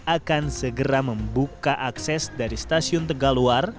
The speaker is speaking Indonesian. akan segera membuka akses dari stasiun tegal luar